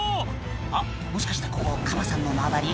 「あっもしかしてここカバさんの縄張り？」